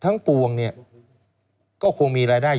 คุณนิวจดไว้หมื่นบาทต่อเดือนมีค่าเสี่ยงให้ด้วย